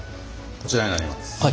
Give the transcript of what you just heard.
こちらになります。